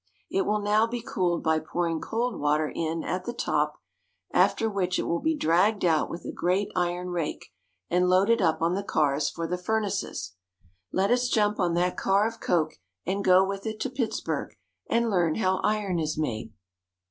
It will now be cooled by pouring cold water in at the top, after which it will be dragged out with a great iron rake, and loaded up on the cars for the furnaces. Let us jump on that car of coke, and go with it to Pitts burg, and learn how iron is made.